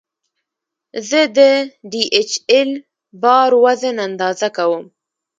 زه د ډي ایچ ایل بار وزن اندازه کوم.